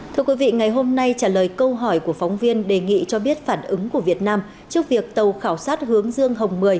thưa quý vị ngày hôm nay trả lời câu hỏi của phóng viên đề nghị cho biết phản ứng của việt nam trước việc tàu khảo sát hướng dương hồng mười